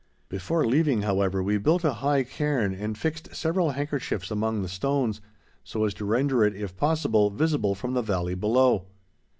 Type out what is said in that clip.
Before leaving, however, we built a high cairn and fixed several handkerchiefs among the stones so as to render it, if possible, visible from the valley below.